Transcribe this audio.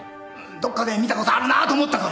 どっかで見たことあるなと思ったから。